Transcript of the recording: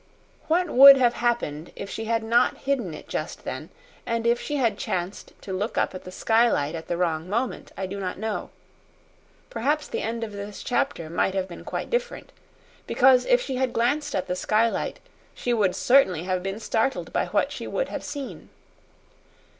What would have happened if she had not hidden it just then, and if she had chanced to look up at the skylight at the wrong moment, I do not know perhaps the end of this chapter might have been quite different because if she had glanced at the skylight she would certainly have been startled by what she would have seen.